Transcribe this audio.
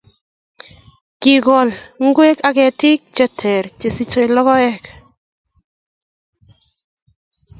kikool ngwek ak ketik cheteer chesichei lokoek